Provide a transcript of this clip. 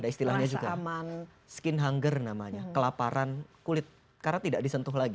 ada istilahnya juga skin hunger namanya kelaparan kulit karena tidak disentuh lagi